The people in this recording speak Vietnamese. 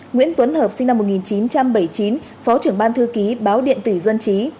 nguyễn tuấn hợp sinh năm một nghìn chín trăm bảy mươi chín phó trưởng ban thư ký báo điện tử dân trí